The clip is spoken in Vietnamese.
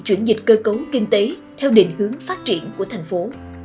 chuyển dịch cơ cấu kinh tế theo định hướng phát triển của thành phố